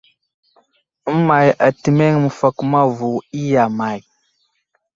Əmay atəmeŋ məfakoma vo i iya may ?